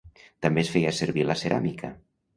També es feia servir la ceràmica.